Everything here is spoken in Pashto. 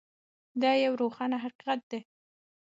دا یو روښانه حقیقت دی.